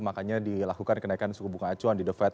makanya dilakukan kenaikan suku bunga acuan di the fed